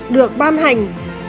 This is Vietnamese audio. được ban hành